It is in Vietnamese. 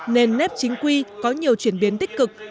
nền nếp chính quy có nhiều chuyển biến tích cực